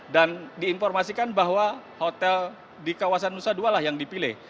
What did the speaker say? dan diinformasikan bahwa hotel di kawasan nusa dua lah yang dipilih